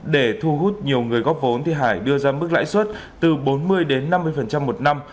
để thu hút nhiều người góp vốn hải đưa ra mức lãi suất từ bốn mươi đến năm mươi một năm